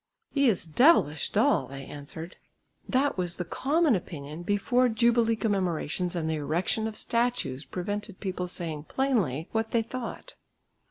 "He is devilish dull," they answered. That was the common opinion before jubilee commemorations and the erection of statues prevented people saying plainly what they thought.